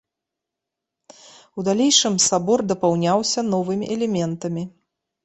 У далейшым сабор дапаўняўся новымі элементамі.